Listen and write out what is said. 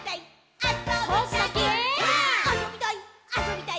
あそびたい！